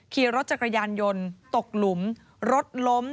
ขี่รถจักรยานยนต์ตกหลุมรถล้ม